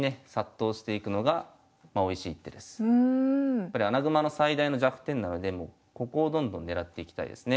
やっぱり穴熊の最大の弱点なのでここをどんどん狙っていきたいですね。